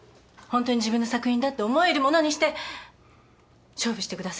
ホントに自分の作品だって思えるものにして勝負してください。